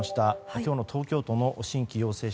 今日の東京都の新規陽性者。